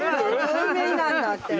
有名なんだって。